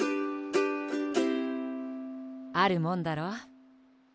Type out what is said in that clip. あるもんだろ。